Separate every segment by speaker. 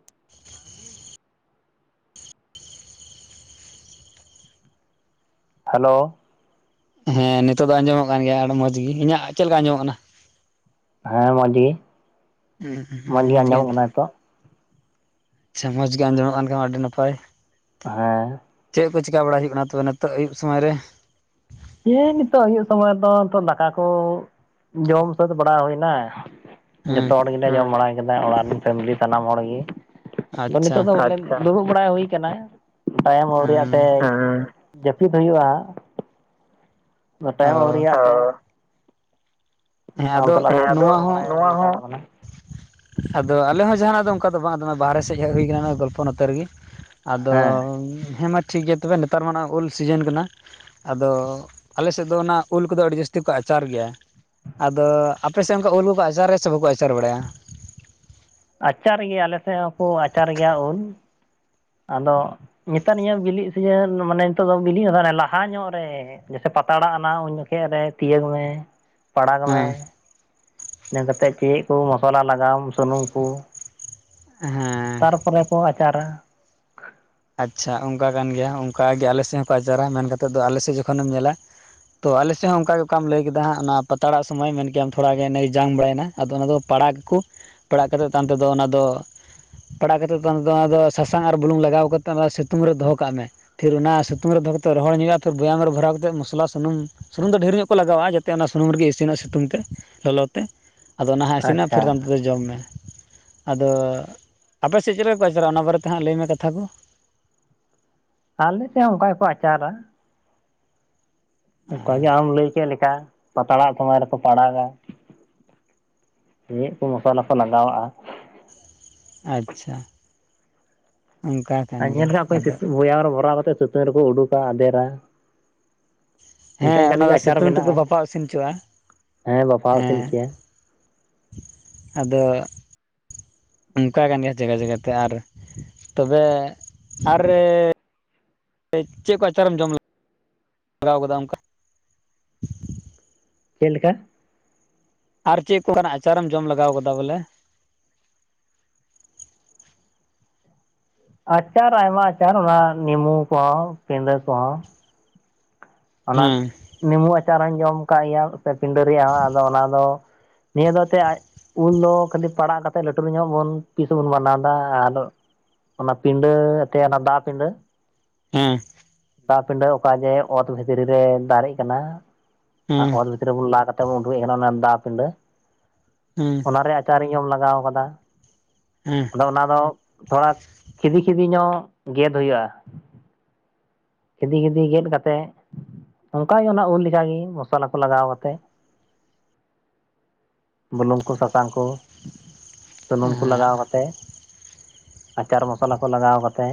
Speaker 1: [inaudible]
Speaker 2: Hello
Speaker 1: ᱦᱮᱸ ᱱᱤᱛᱚᱜ ᱫᱚ ᱟᱸᱡᱚᱢᱚᱜ ᱠᱟᱱ ᱜᱮᱭᱟ ᱟᱹᱰᱤ ᱢᱚᱸᱡᱽ ᱜᱮ ᱤᱧᱟᱹᱜ ᱪᱮᱫ ᱞᱮᱠᱟ ᱟᱸᱡᱚᱢᱚᱜ ᱠᱟᱱᱟ?
Speaker 2: ᱦᱮᱸ ᱢᱚᱡᱽ ᱜᱮ
Speaker 1: ᱦᱩᱸ
Speaker 2: ᱢᱚᱡᱽ ᱜᱮ
Speaker 1: ᱢᱚᱸᱡᱽ
Speaker 2: ᱟᱸᱡᱚᱢᱚᱜ ᱠᱟᱱᱟ ᱱᱤᱛᱚᱜ᱾
Speaker 1: ᱟᱪᱪᱷᱟ ᱢᱚᱡᱽ ᱜᱮ ᱟᱸᱡᱚᱢᱚᱜ ᱠᱟᱱ ᱠᱷᱟᱱ ᱟᱹᱰᱤ ᱱᱟᱯᱟᱭ
Speaker 2: ᱦᱮᱸ
Speaker 1: ᱪᱮᱫ ᱠᱚ ᱪᱮᱠᱟ ᱵᱟᱲᱟ ᱦᱩᱭᱩᱜ ᱠᱟᱱᱟ ᱛᱚᱵᱮ ᱱᱤᱛᱚᱜ ᱟᱹᱭᱩᱵ ᱥᱚᱢᱚᱭ ᱨᱮ
Speaker 2: ᱦᱮᱸ ᱱᱤᱛᱚᱜ ᱟᱭᱩᱵ ᱥᱚᱢᱚᱭ ᱫᱚ ᱱᱤᱛᱚᱜ ᱫᱟᱠᱟ ᱠᱚ ᱡᱚᱢ ᱥᱟᱹᱛ ᱵᱟᱲᱟ ᱦᱩᱭᱱᱟ᱾ ᱡᱚᱛᱚ
Speaker 1: ᱦᱮᱸ
Speaker 2: ᱦᱚᱲ ᱜᱮᱞᱮ ᱡᱚᱢ ᱵᱟᱲᱟᱭ ᱠᱮᱫᱟ ᱚᱲᱟᱜ ᱨᱮᱱ ᱯᱷᱮᱢᱮᱞᱤ ᱥᱟᱱᱟᱢ ᱦᱚᱲᱜᱮ ᱟᱫᱚ
Speaker 1: ᱟᱪᱪᱷᱟ
Speaker 2: ᱱᱤᱛᱚᱜ ᱫᱚ ᱫᱩᱲᱩᱵ ᱵᱟᱲᱟ ᱦᱩᱭ ᱠᱟᱱᱟ ᱴᱟᱭᱮᱢ ᱟᱹᱣᱨᱤᱭᱟᱜ ᱛᱮ ᱡᱟᱹᱯᱤᱫ ᱦᱩᱭᱩᱜᱼᱟ᱾ ᱴᱟᱭᱮᱢ
Speaker 1: ᱚ
Speaker 2: ᱟᱣᱨᱤᱭᱟ
Speaker 1: ᱦᱮᱸ ᱟᱫᱚ
Speaker 2: ᱥᱟᱞᱟᱜ
Speaker 1: ᱱᱚᱣᱟ
Speaker 2: ᱜᱚᱞᱯᱚ
Speaker 1: ᱦᱚᱸ
Speaker 2: ᱵᱟᱲᱟᱭ ᱦᱩᱭ ᱦᱟᱛᱟᱲᱚᱜ ᱠᱟᱱᱟ
Speaker 1: ᱟᱫᱚ ᱟᱞᱮ ᱦᱚᱸ ᱡᱟᱦᱟᱱᱟᱜ ᱫᱚ ᱚᱱᱠᱟ ᱫᱚ ᱵᱟᱝ ᱟᱫᱚ ᱵᱟᱦᱨᱮ ᱥᱮᱫ ᱦᱮᱡ ᱦᱩᱭ ᱠᱟᱱᱟ ᱱᱚᱣᱟ ᱜᱚᱞᱯᱚ ᱱᱚᱛᱮ ᱨᱮᱜᱮ ᱟᱫᱚ
Speaker 2: ᱦᱮᱸ
Speaker 1: ᱦᱮᱸ ᱢᱟ ᱴᱷᱤᱠ ᱜᱮᱭᱟ ᱛᱚᱵᱮ ᱱᱮᱛᱟᱨ ᱢᱟ ᱱᱟ ᱩᱞ ᱥᱤᱡᱮᱱ ᱠᱟᱱᱟ᱾ ᱟᱫᱚ ᱟᱞᱮᱥᱮᱫ ᱫᱚ ᱚᱱᱟ ᱩᱞ ᱠᱚᱫᱚ ᱟᱹᱰᱤ ᱡᱟᱹᱥᱛᱤ ᱠᱚ ᱟᱪᱟᱨ ᱜᱮᱭᱟ ᱟᱫᱚ ᱟᱯᱮᱥᱮᱫ ᱚᱱᱠᱟ ᱩᱞ ᱵᱟᱠᱚ ᱟᱪᱟᱨᱟ ᱥᱮ ᱵᱟᱠᱚ ᱟᱪᱟᱨ ᱵᱟᱲᱟᱭᱟ
Speaker 2: ᱟᱪᱟᱨ ᱜᱮᱭᱟ ᱟᱞᱮ ᱥᱮᱫ ᱦᱚᱸᱠᱚ ᱟᱪᱟᱨ ᱜᱮᱭᱟ ᱩᱞ ᱟᱫᱚ ᱱᱮᱛᱟᱨ ᱱᱤᱭᱟᱹ ᱵᱤᱞᱤ ᱥᱤᱡᱤᱱ ᱢᱟᱱᱮ ᱱᱤᱛᱚᱜ ᱫᱚ ᱵᱤᱞᱤ ᱦᱚᱸᱮ ᱞᱟᱦᱟ ᱧᱚᱜ ᱨᱮ ᱡᱮᱭᱥᱮ [unintelligible] ᱩᱞ ᱡᱚᱠᱷᱮᱡ ᱨᱮ ᱛᱤᱭᱟᱹᱜ ᱢᱮ ᱯᱟᱲᱟᱜᱽ ᱢᱮ
Speaker 1: ᱦᱮᱸ
Speaker 2: ᱤᱱᱟᱹ ᱠᱟᱛᱮᱫ ᱪᱮᱫ ᱠᱚ ᱢᱚᱥᱞᱟ ᱞᱟᱜᱟᱣ ᱥᱩᱱᱩᱢ ᱠᱚ
Speaker 1: ᱦᱮᱸ
Speaker 2: ᱛᱟᱨᱯᱚᱨᱮ ᱠᱚ ᱟᱪᱟᱨᱟ
Speaker 1: ᱟᱪᱪᱷᱟ ᱚᱱᱠᱟ ᱠᱟᱱ ᱜᱮᱭᱟ ᱚᱱᱠᱟᱜ ᱜᱮ ᱟᱞᱮ ᱥᱮᱫ ᱦᱚᱸᱠᱚ ᱟᱪᱟᱨᱟ ᱢᱮᱱ ᱠᱟᱛᱮᱫ ᱫᱚ ᱟᱞᱮ ᱥᱮᱫ ᱡᱚᱠᱷᱚᱱᱮᱢ ᱧᱮᱞᱟ ᱛᱚ ᱟᱞᱮ ᱥᱮᱫ ᱦᱚᱸ ᱚᱱᱠᱟ ᱜᱮ ᱚᱠᱟᱢ ᱞᱟᱹᱭ ᱠᱮᱫᱟ ᱦᱟᱸᱜ ᱚᱱᱟ ᱯᱟᱛᱲᱟᱜ ᱥᱚᱢᱚᱭ ᱢᱮᱱᱠᱮ ᱠᱮᱜᱼᱟ ᱛᱷᱚᱲᱟ ᱜᱮ ᱡᱟᱝ ᱵᱟᱲᱟᱭᱮᱱᱟ ᱟᱫᱚ ᱚᱱᱟᱫᱚ ᱯᱟᱲᱟᱜ ᱠᱩ ᱯᱟᱲᱟᱜ ᱠᱟᱛᱮᱫ ᱛᱟᱭᱚᱢ ᱛᱮᱫᱚ ᱚᱱᱟᱫᱚ ᱯᱟᱲᱟᱜ ᱠᱟᱛᱮᱫ ᱥᱟᱥᱟᱝ ᱟᱨ ᱵᱩᱞᱩᱝ ᱞᱟᱜᱟᱣ ᱠᱟᱛᱮᱫ ᱚᱱᱟ ᱥᱤᱛᱩᱝ ᱨᱮ ᱫᱚᱦᱚ ᱠᱟᱜ ᱢᱮ ᱯᱷᱤᱨ ᱚᱱᱟ ᱥᱤᱛᱩᱝ ᱨᱮ ᱫᱚᱦᱚ ᱠᱟᱛᱮᱫ ᱨᱚᱦᱚᱲ ᱧᱚᱜᱼᱟ ᱯᱷᱤᱨ ᱵᱮᱭᱟᱢ ᱨᱮ ᱵᱷᱚᱨᱟᱣ ᱠᱟᱛᱮᱫ ᱢᱚᱥᱞᱟ ᱥᱩᱱᱩᱢ ᱥᱩᱱᱩᱢ ᱫᱚ ᱰᱷᱮᱨ ᱧᱚᱜ ᱠᱚ ᱞᱟᱜᱟᱣᱟ ᱡᱟᱛᱮ ᱚᱱᱟ ᱥᱩᱱᱩᱢ ᱨᱮᱜᱮ ᱤᱥᱤᱱᱟ ᱥᱤᱛᱩᱝ ᱛᱮ ᱞᱚᱞᱚ ᱛᱮ ᱟᱫᱚ ᱚᱱᱟ ᱦᱟᱜ ᱤᱥᱤᱱᱟ ᱯᱷᱤᱨ ᱫᱟᱢ
Speaker 2: ᱟᱪᱪᱷᱟ
Speaker 1: ᱟᱫᱚ ᱡᱚᱢ ᱢᱮ ᱟᱫᱚ ᱟᱯᱮᱥᱮᱫ ᱪᱮᱫ ᱯᱮ ᱟᱪᱟᱨᱟ ᱚᱱᱟ ᱵᱟᱨᱮᱛᱮ ᱦᱟᱸᱜ ᱞᱟᱹᱭᱢᱮ ᱠᱟᱛᱷᱟ ᱠᱚ
Speaker 2: ᱟᱞᱮᱥᱮᱫ ᱦᱚᱸ ᱚᱱᱠᱟ ᱜᱮᱠᱚ ᱟᱪᱟᱨᱟ ᱚᱱᱠᱟᱜᱮ ᱟᱢ ᱞᱟᱹᱭ ᱠᱮᱫ ᱞᱮᱠᱟ ᱯᱟᱛᱲᱟᱜ ᱥᱚᱢᱚᱭ ᱨᱮᱠᱚ ᱯᱟᱲᱟᱜᱟ ᱱᱤᱭᱟᱹ ᱠᱚ ᱢᱚᱥᱞᱟ ᱠᱚ ᱞᱟᱜᱟᱣᱟᱜᱼᱟ᱾
Speaker 1: ᱟᱪᱪᱷᱟ ᱚᱱᱠᱟ ᱠᱟᱱ
Speaker 2: ᱟᱨ
Speaker 1: ᱜᱮᱭᱟ
Speaker 2: ᱧᱮᱞ ᱠᱟᱜ
Speaker 1: ᱟᱫᱚ
Speaker 2: ᱠᱚᱣᱟᱹᱧ ᱵᱚᱭᱦᱟᱢ ᱨᱮ ᱵᱷᱚᱨᱟᱣ ᱠᱟᱛᱮᱫ ᱥᱤᱛᱩᱝ ᱨᱮᱠᱚ ᱩᱰᱩᱠᱟ ᱟᱫᱮᱨᱟ ᱤᱱᱠᱟ
Speaker 1: ᱦᱮᱸ
Speaker 2: ᱤᱱᱠᱟ
Speaker 1: ᱚᱱᱟ
Speaker 2: ᱛᱮᱜᱮ
Speaker 1: ᱫᱚ
Speaker 2: ᱟᱪᱟᱨ
Speaker 1: ᱥᱤᱛᱩᱝ
Speaker 2: ᱵᱮᱱᱟᱜᱼᱟ
Speaker 1: ᱛᱮᱠᱚ ᱵᱟᱯᱟᱣ ᱤᱥᱤᱱ ᱚᱪᱚᱣᱟᱜᱼᱟ᱾
Speaker 2: ᱦᱮᱸ ᱵᱟᱯᱷᱟᱣ ᱤᱥᱤᱱ ᱪᱚᱭᱟ
Speaker 1: ᱟᱫᱚ ᱚᱱᱠᱟ ᱠᱟᱱ ᱜᱮᱭᱟ ᱡᱟᱭᱜᱟ ᱡᱟᱭᱜᱟᱛᱮ ᱟᱨ ᱛᱚᱵᱮ ᱟᱨ ᱪᱮᱫ ᱠᱚ ᱟᱪᱟᱨᱮᱢ ᱡᱚᱢ ᱞᱮᱼ? [unintelligible] ᱟᱠᱟᱫᱟ ᱚᱱᱠᱟ
Speaker 2: ᱪᱮᱫ ᱞᱮᱠᱟ
Speaker 1: ᱟᱨ ᱪᱮᱫ ᱠᱚᱠᱟᱱᱟᱜ ᱟᱪᱟᱨᱮᱢ ᱡᱚᱢ ᱞᱮᱜᱟᱣ ᱟᱠᱟᱫᱟ ᱵᱚᱞᱮ
Speaker 2: ᱟᱪᱟᱨ ᱟᱭᱢᱟ ᱟᱪᱟᱨ ᱚᱱᱟ ᱱᱮᱢᱩ ᱠᱚᱦᱚᱸ ᱠᱮᱸᱫᱟᱹ ᱠᱚᱦᱚᱸ ᱚᱱᱟ
Speaker 1: ᱦᱮᱸ
Speaker 2: ᱱᱤᱢᱩ ᱟᱪᱟᱨ ᱦᱚᱸᱧ ᱡᱚᱢ ᱠᱟᱜ ᱜᱮᱭᱟ ᱥᱮ ᱯᱤᱸᱰᱟᱹ ᱨᱮᱭᱟᱜ ᱦᱚᱸ ᱟᱫᱚ ᱚᱱᱟ ᱫᱚ ᱱᱤᱭᱟᱹ ᱫᱚᱛᱮ ᱟᱭ ᱾ ᱩᱞ ᱫᱚ ᱠᱷᱟᱹᱞᱤ ᱯᱟᱲᱟᱜ ᱠᱟᱛᱮᱫ ᱞᱟᱹᱴᱩ ᱧᱚᱜ ᱵᱚᱱ ᱯᱤᱥ ᱵᱚᱱ ᱵᱟᱱᱟᱣ ᱫᱟ ᱟᱨᱫᱚ ᱾ ᱚᱱᱟ ᱯᱤᱰᱟᱹ ᱮᱛᱮ ᱚᱱᱟ ᱫᱟ ᱯᱤᱰᱟᱹ ᱾
Speaker 1: ᱦᱮᱸ ᱾
Speaker 2: ᱫᱟ ᱯᱤᱸᱰᱟᱹ ᱚᱠᱟ ᱡᱮ ᱚᱛ ᱵᱷᱤᱛᱨᱤ ᱨᱮ ᱫᱟᱨᱮᱜ ᱠᱟᱱᱟ
Speaker 1: ᱦᱮᱸ
Speaker 2: ᱚᱛ ᱵᱷᱤᱛ ᱾ ᱥᱤᱨᱟᱹᱵᱩᱞ ᱞᱟ ᱠᱟᱛᱮ ᱵᱩᱱ ᱩᱰᱩᱮᱫ ᱟᱠᱟᱱᱟ ᱚᱱᱟ ᱫᱟ ᱯᱤᱰᱟᱹ ᱾
Speaker 1: [unintelligible]
Speaker 2: ᱚᱱᱟᱨᱮᱱᱟ ᱟᱪᱟᱨᱤᱧ ᱡᱚᱢ ᱞᱟᱜᱟᱣ ᱟᱠᱟᱫᱟ ᱾
Speaker 1: [unintelligible]
Speaker 2: ᱟᱫᱚ ᱚᱱᱟ ᱫᱚ ᱛᱷᱚᱲᱟ ᱠᱷᱤᱫᱤ ᱠᱷᱤᱫᱤ ᱧᱚᱜ ᱜᱮᱫ ᱦᱩᱭᱩᱜᱼᱟ ᱾ ᱠᱷᱤᱫᱤ ᱠᱷᱤᱫᱤ ᱜᱮᱫ ᱠᱟᱛᱮᱜ ᱚᱱᱠᱟᱜᱮ ᱚᱱᱟ ᱩᱞ ᱞᱮᱠᱟᱜᱮ ᱢᱚᱥᱟᱞᱟ ᱠᱚ ᱞᱟᱜᱟᱣ ᱠᱟᱛᱮᱜ ᱵᱩᱞᱩᱝ ᱠᱚ ᱥᱟᱥᱟᱝ ᱠᱚ ᱾ ᱥᱩᱱᱩᱢ ᱠᱚ
Speaker 1: ᱦᱮᱸ
Speaker 2: ᱞᱟᱜᱟᱣ ᱠᱟᱛᱮ ᱟᱪᱟᱨ ᱢᱚᱥᱟᱞᱟ ᱠᱚ ᱞᱟᱜᱟᱣ ᱠᱟᱛᱮ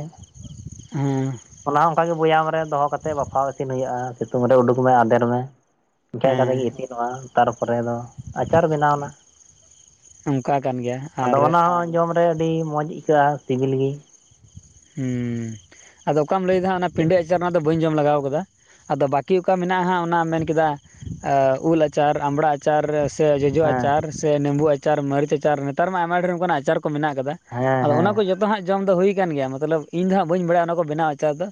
Speaker 1: ᱦᱮᱸ
Speaker 2: ᱚᱱᱟ ᱦᱚᱸ ᱚᱱᱠᱟᱜᱮ ᱵᱚᱭᱟᱢ ᱨᱮ ᱫᱚᱦᱚ ᱠᱟᱛᱮᱜ ᱵᱟᱯᱷᱟᱣ ᱤᱥᱤᱱ ᱦᱩᱭᱩᱜᱼᱟ ᱥᱤᱛᱩᱝ ᱨᱮ ᱩᱰᱩᱠ ᱢᱮ ᱟᱫᱮᱨ ᱢᱮ ᱤᱱᱠᱟᱭ
Speaker 1: ᱦᱮᱸ
Speaker 2: ᱠᱟᱛᱮᱜ ᱜᱮ ᱤᱥᱤᱱᱚᱜᱼᱟ ᱛᱟᱨᱯᱚᱨᱮ ᱫᱚ ᱟᱪᱟᱨ ᱵᱮᱱᱟᱣᱱᱟ
Speaker 1: ᱚᱱᱠᱟ ᱠᱟᱱ ᱜᱮᱭᱟ ᱟᱨ
Speaker 2: ᱟᱫᱚ ᱚᱱᱟ ᱦᱚᱸ ᱡᱚᱢ ᱨᱮ ᱟᱹᱰᱤ ᱢᱚᱡᱽ ᱟᱹᱭᱠᱟᱹᱜᱼᱟ ᱥᱤᱵᱤᱞ ᱜᱤ
Speaker 1: ᱦᱮᱸ ᱟᱫᱚ ᱚᱠᱟᱢ ᱞᱟᱹᱭᱫᱟ ᱦᱟᱸᱜ ᱚᱱᱟ
Speaker 2: ᱪᱮᱫ
Speaker 1: ᱯᱤᱸᱰᱟ ᱟᱪᱟᱨ ᱚᱱᱟ ᱫᱚ ᱵᱟᱹᱧ ᱡᱚᱢ ᱞᱟᱜᱟᱣ ᱟᱠᱟᱫᱟ᱾ ᱟᱫᱚ ᱵᱟᱠᱤ ᱚᱠᱟ ᱢᱮᱱᱟᱜᱼᱟ ᱦᱟᱸᱜ ᱚᱱᱟ ᱢᱮᱱ ᱠᱮᱫᱟ ᱟ ᱩᱞ ᱟᱪᱟᱨ ᱟᱢᱲᱟ ᱟᱪᱟᱨ ᱥᱮ ᱡᱚᱡᱚ
Speaker 2: ᱦᱮᱸ
Speaker 1: ᱟᱪᱟᱨ ᱥᱮ ᱱᱮᱢᱵᱩ ᱟᱪᱟᱨ ᱢᱟᱹᱨᱤᱪ ᱟᱪᱟᱨ ᱱᱮᱛᱟᱨ ᱢᱟ ᱟᱭᱢᱟ ᱰᱷᱮᱨ ᱚᱱᱠᱱᱟᱜ ᱟᱪᱟᱨ ᱠᱚ ᱢᱮᱱᱟᱜ ᱟᱠᱟᱫᱟ᱾
Speaker 2: ᱦᱮᱸ
Speaker 1: ᱟᱫᱚ
Speaker 2: ᱦᱮᱸ
Speaker 1: ᱚᱱᱟ ᱠᱚ ᱡᱚᱛᱚ ᱦᱟᱸᱜ ᱡᱚᱢ ᱫᱚ ᱦᱩᱭ ᱠᱟᱱ ᱜᱮᱭᱟ ᱢᱟ ᱢᱚᱛᱞᱚᱵ ᱤᱧ ᱫᱚ ᱦᱟᱸᱜ ᱵᱟᱹᱧ ᱵᱟᱲᱟᱭᱟ ᱚᱱᱟ ᱠᱚ ᱵᱮᱱᱟᱣ ᱟᱪᱟᱨ ᱫᱚ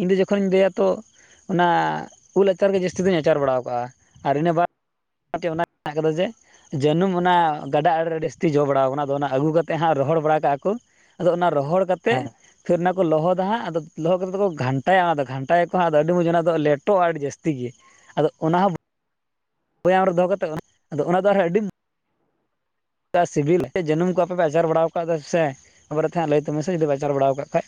Speaker 1: ᱤᱧ ᱫᱚ ᱡᱚᱠᱷᱚᱱᱤᱧ ᱞᱟᱹᱭᱟ ᱛᱚ ᱚᱱᱟ ᱩᱞ ᱟᱪᱟᱨ ᱜᱮ ᱡᱟᱹᱥᱛᱤ ᱫᱩᱧ ᱟᱪᱟᱨ ᱵᱟᱲᱟᱣ ᱠᱟᱜᱼᱟ ᱟᱨ ᱤᱱᱟᱹ ᱵᱟᱫᱽ ᱚᱱᱟᱛᱮ ᱚᱱᱟ ᱢᱮᱱᱟᱜ ᱟᱠᱟᱫᱟ ᱡᱮ ᱡᱟᱹᱱᱩᱢ ᱚᱱᱟ ᱜᱟᱰᱟ ᱟᱲᱮ ᱨᱮ ᱟᱹᱰᱤ ᱡᱟᱹᱥᱛᱤ ᱡᱚ ᱵᱟᱲᱟᱣ ᱟᱠᱟᱱᱟ ᱟᱫᱚ ᱚᱱᱟ ᱟᱹᱜᱩ ᱠᱟᱛᱮᱫ ᱦᱟᱸᱜ ᱨᱚᱦᱚᱲ ᱵᱟᱲᱟ ᱠᱟᱜᱼᱟ ᱠᱚ ᱟᱫᱚ ᱚᱱᱟ ᱨᱚᱦᱚᱲ ᱠᱟᱛᱮᱜ
Speaker 2: ᱦᱮᱸ
Speaker 1: ᱯᱷᱤᱨ ᱚᱱᱟ ᱠᱚ ᱞᱚᱦᱚᱫᱟ ᱦᱟᱸᱜ ᱟᱫᱚ ᱞᱚᱦᱚᱫ ᱠᱟᱛᱮ ᱫᱚᱠᱚ ᱜᱷᱟᱱᱴᱟᱭᱟ ᱚᱱᱟᱫᱚ ᱜᱷᱟᱱᱴᱟᱭᱟ ᱠᱚ ᱦᱟᱸᱜ ᱟᱫᱚ ᱟᱹᱰᱤ ᱢᱚᱸᱡᱽ ᱚᱱᱟᱫᱚ ᱞᱮᱴᱚᱜᱼᱟ ᱟᱹᱰᱤ ᱡᱟᱹᱥᱛᱤ ᱜᱮ ᱟᱫᱚ ᱚᱱᱟ ᱦᱚᱸ ᱵᱚᱭᱟᱢ ᱨᱮ ᱫᱚᱦᱚ ᱠᱟᱛᱮ ᱟᱫᱚ ᱚᱱᱟ ᱫᱚ ᱟᱨᱦᱚᱸ ᱟᱹᱰᱤᱢ ᱪᱮᱫᱟᱜ ᱥᱤᱵᱤᱞ ᱥᱮ ᱡᱟᱹᱱᱩᱢ ᱠᱚ ᱟᱯᱮ ᱯᱮ ᱟᱪᱟᱨ ᱵᱟᱲᱟᱣ ᱟᱠᱟᱫᱟ ᱥᱮᱥᱮᱜ ᱚᱱᱟ ᱵᱟᱨᱮ ᱛᱮ ᱦᱟᱸᱜ ᱞᱟᱹᱭ ᱛᱟᱵᱚᱱ ᱢᱮᱥᱮ ᱡᱩᱫᱤᱢ ᱟᱪᱟᱨ ᱵᱟᱲᱟᱣ ᱟᱠᱟᱫ ᱠᱷᱟᱡ